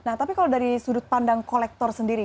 nah tapi kalau dari sudut pandang kolektor sendiri